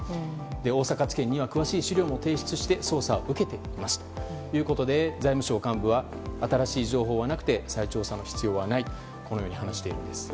大阪地検には詳しい資料も提出して捜査を受けていますということで財務省幹部は新しい情報はなくて再調査の必要がないとこのように話しています。